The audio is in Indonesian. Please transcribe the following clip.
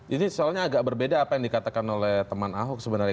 ini soalnya agak berbeda apa yang dikatakan oleh teman ahok sebenarnya